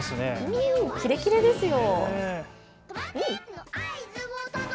キレキレですよ。